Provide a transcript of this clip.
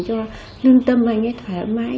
cho lương tâm anh ấy thoải mái